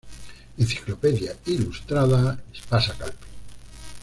Enciclopedia Ilustrada Espasa-Calpe.